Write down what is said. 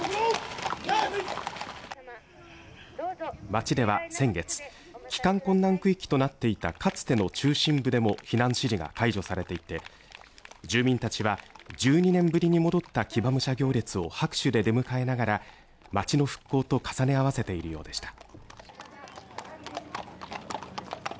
町では先月、帰還困難区域となっていたかつての中心部でも避難指示が解除されていて住民たちは１２年ぶりに戻った騎馬武者行列を拍手で出迎えながら町の復興と重ね合わせているようでした。